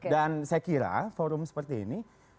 dan saya kira forum seperti ini